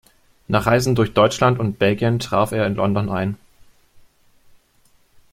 Nach Reisen durch Deutschland und Belgien traf er in London ein.